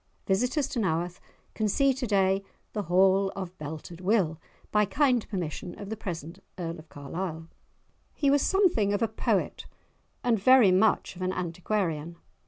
Visitors to Naworth can see to day the "hall of Belted Will," by kind permission of the present Earl of Carlisle. He was something of a poet and very much of an antiquarian.